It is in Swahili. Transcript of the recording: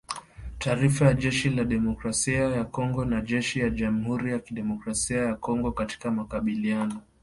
Taarifa ya jeshi la Demokrasia ya Kongo na jeshi la jamuhuri ya kidemokrasia ya Kongo katika makabiliano